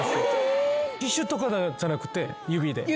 ティッシュとかじゃなくて。